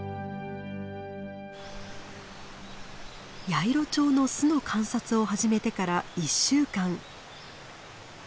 ヤイロチョウの巣の観察を始めてから１週間。